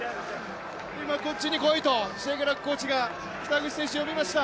今、こっちに来いとシェケラックコーチが北口選手を呼びました、